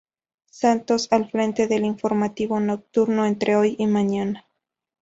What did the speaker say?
Santos al frente del informativo nocturno "Entre hoy y mañana".